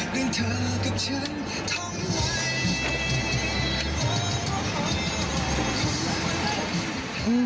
โทรเจนท์ต้องห่วงเลยพี่